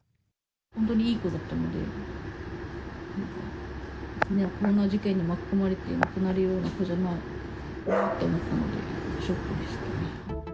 本当にいい子だったので、こんな事件に巻き込まれて亡くなるような子じゃないなと思ったので、ショックでしたね。